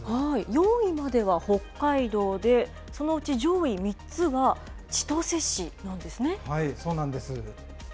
４位までは北海道で、そのうち上位３つは千歳市なんですね。